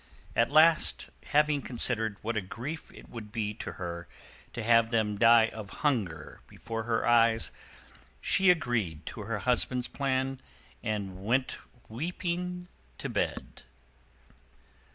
At last, having considered what a grief it would be to her to have them die of hunger before her eyes, she agreed to her husband's plan, and went, weeping, to bed.